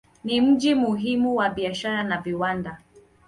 Ni mji muhimu wa biashara na viwanda.